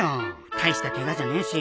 大したケガじゃねえし